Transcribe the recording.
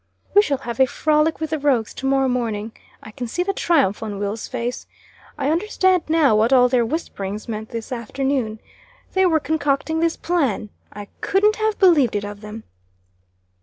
"We shall have a frolic with the rogues to morrow morning. I can see the triumph on Will's face. I understand now what all their whisperings meant this afternoon. They were concocting this plan. I couldn't have believed it of them?"